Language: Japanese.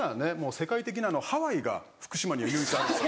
世界的なあのハワイが福島には唯一あるんですよ。